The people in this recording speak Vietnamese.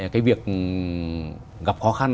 cái việc gặp khó khăn